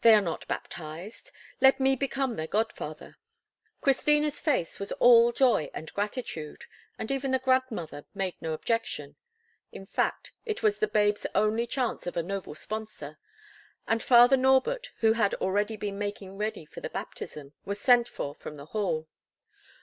"They are not baptized? Let me become their godfather." Christina's face was all joy and gratitude, and even the grandmother made no objection; in fact, it was the babes' only chance of a noble sponsor; and Father Norbert, who had already been making ready for the baptism, was sent for from the hall.